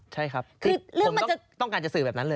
ใช่ครับคือผมต้องการจะสื่อแบบนั้นเลย